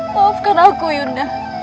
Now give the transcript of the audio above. maafkan aku yunda